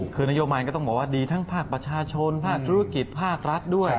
คือนโยบายก็ต้องบอกว่าดีทั้งภาคประชาชนภาคธุรกิจภาครัฐด้วย